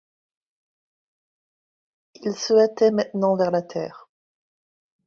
Il se hâtait maintenant vers la terre.